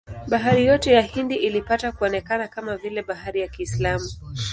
Bahari yote ya Hindi ilipata kuonekana kama vile bahari ya Kiislamu.